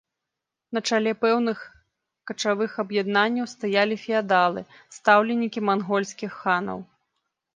На чале пэўных качавых аб'яднанняў стаялі феадалы, стаўленікі мангольскіх ханаў.